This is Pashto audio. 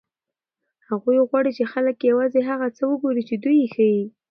هغوی غواړي چې خلک یوازې هغه څه وګوري چې دوی یې ښيي.